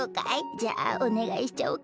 じゃあおねがいしちゃおうかしら。